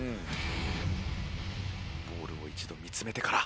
ボールを一度見つめてから。